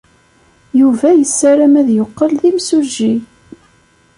Yuba yessaram ad yeqqel d imsujji.